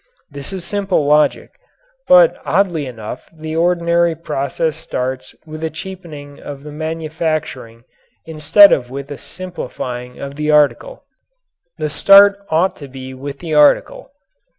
This is simple logic, but oddly enough the ordinary process starts with a cheapening of the manufacturing instead of with a simplifying of the article. The start ought to be with the article.